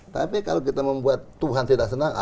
tapi kalau kita membuat tuhan tidak senang